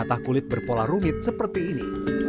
mata kulit berpola rumit seperti ini